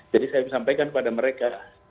jadi saya sampaikan kepada mereka